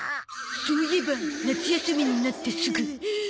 そういえば夏休みになってすぐ。